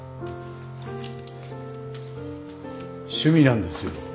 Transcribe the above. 趣味なんですよ。